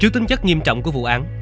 trước tính chất nghiêm trọng của vụ án